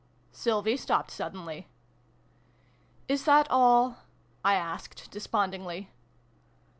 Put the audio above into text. Sylvie stopped suddenly. " Is that all?" I asked, despondingly.